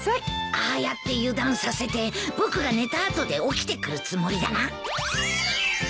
ああやって油断させて僕が寝た後で起きてくるつもりだな？